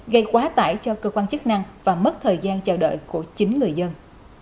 gây quá tải cho cơ quan chức năng và mất thời gian chờ đợi của chính người dân